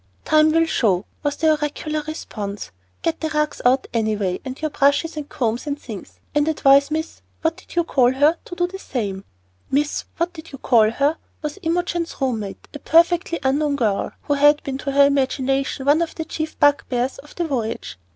"Time will show," was the oracular response. "Get the rugs out, any way, and your brushes and combs and things, and advise Miss What d' you call her to do the same." "Miss What d' you call her" was Imogen's room mate, a perfectly unknown girl, who had been to her imagination one of the chief bug bears of the voyage.